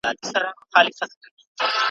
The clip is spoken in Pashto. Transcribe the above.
وینم د زمان په سرابو کي نړۍ بنده ده ,